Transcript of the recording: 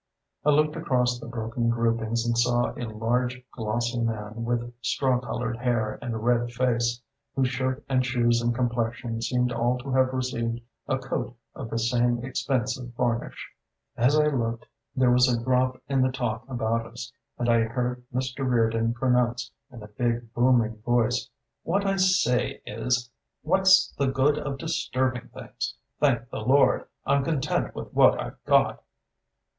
I looked across the broken groupings and saw a large glossy man with straw coloured hair and a red face, whose shirt and shoes and complexion seemed all to have received a coat of the same expensive varnish. As I looked there was a drop in the talk about us, and I heard Mr. Reardon pronounce in a big booming voice: "What I say is: what's the good of disturbing things? Thank the Lord, I'm content with what I've got!"